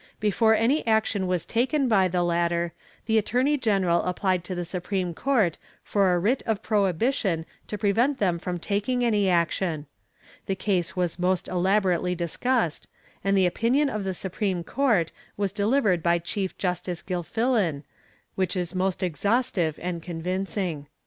Before any action was taken by the latter, the attorney general applied to the supreme court for a writ of prohibition to prevent them from taking any action. The case was most elaborately discussed, and the opinion of the supreme court was delivered by Chief Justice Gilfillan, which is most exhaustive and convincing.